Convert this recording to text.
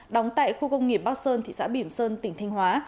đóng tại khu công nghiệp bắc sơn thị xã biểm sơn tỉnh thanh hóa